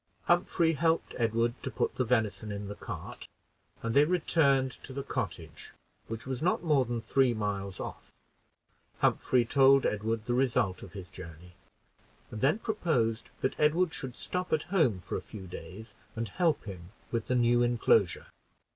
Humphrey helped Edward to put the venison in the cart, and they returned to the cottage, which was not more than three miles off. Humphrey told Edward the result of his journey, and then proposed that Edward should stop at home for a few days and help him with the new inclosure.